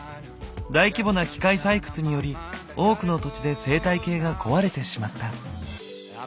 大規模な機械採掘により多くの土地で生態系が壊れてしまった。